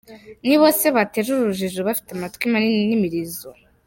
Nibo se bateje urujijo bafite amatwi manini n’imirizo?